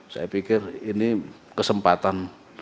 saya pikir ini kesempatan